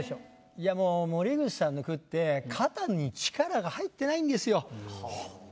いやもう森口さんの句って肩に力が入ってないんですよ。